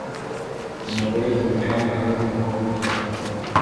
Umugore ku mucanga hamwe numukobwa muto